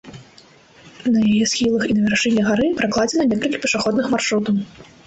На яе схілах і на вяршыні гары пракладзена некалькі пешаходных маршрутаў.